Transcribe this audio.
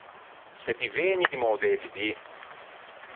Se ti vëgni ti me ô devi dî.